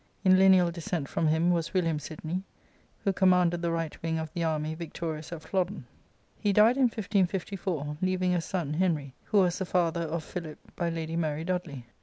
In lineal descent from him was William Sidney, who commanded the right wing of the army victoriou^ at Flodden. He died in 1554,1/ leaving a son, Henry, who was the father of Philip by Lady Mary Dudley.